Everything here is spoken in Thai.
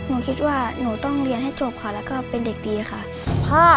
หนูคิดว่าหนูต้องเรียนให้จบค่ะแล้วก็เป็นเด็กดีค่ะ